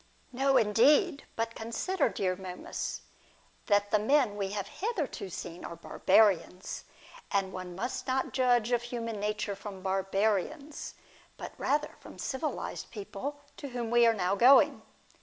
No, indeed ! But consider, dear Momus, that the men we have hitherto seen are barbarians ; and one must not judge of human nature from barbarians, but rather from civilised people, to whom we are now going.